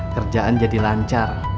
kerjaan jadi lancar